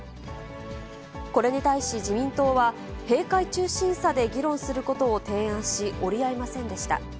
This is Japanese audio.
これに対し自民党は、閉会中審査で議論することを提案し、折り合いませんでした。